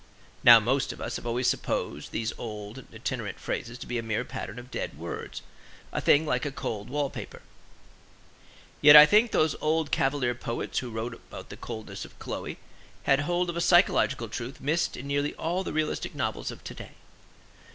Now most of us have always supposed these old and iterant phrases to be a mere pattern of dead words, a thing like a cold wall paper. Yet I think those old cavalier poets who wrote about the coldness of Chloe had hold of a psychological truth missed in nearly all the realistic novels of today.